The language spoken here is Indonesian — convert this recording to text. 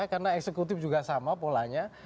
karena eksekutif juga sama polanya